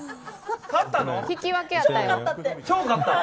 引き分けやったよ。